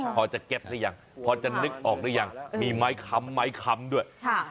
พอจะเก็ตหรือยังพอจะนึกออกหรือยังมีไม้ค้ำไม้คำด้วย